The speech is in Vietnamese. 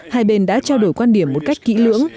hai bên đã trao đổi quan điểm một cách kỹ lưỡng